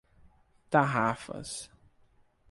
Tarrafas